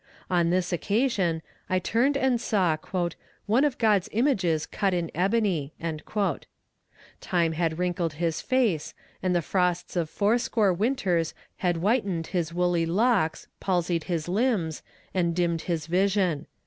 On this occasion, I turned and saw "one of God's images cut in ebony." Time had wrinkled his face, and the frosts of four score winters had whitened his woolly locks, palsied his limbs, and dimmed his vision.